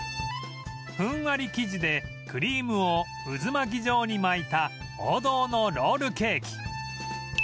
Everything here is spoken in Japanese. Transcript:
ふんわり生地でクリームを渦巻き状に巻いた王道のロールケーキ